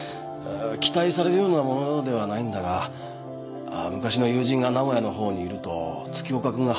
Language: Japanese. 期待されるようなものではないんだが昔の友人が名古屋の方にいると月岡君が話してるのを思い出したんだよ